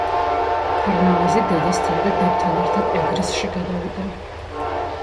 ფარნავაზი დედასთან და დებთან ერთად ეგრისში გადავიდა.